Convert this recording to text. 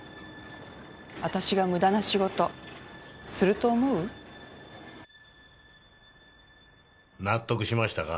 わたしがムダな仕事すると思う？納得しましたか？